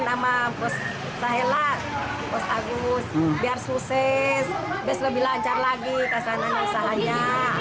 nama bos sahela bos agus biar sukses bes lebih lancar lagi kesana masalahnya